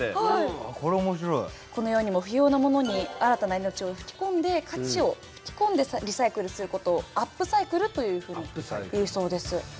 このように不要なものに新たな命を吹き込んで価値を吹き込んでリサイクルすることをアップサイクルというふうにいうそうです。